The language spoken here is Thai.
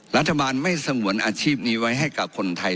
รัฐบาลไม่สงวนอาชีพนี้ไว้ให้กับคนไทย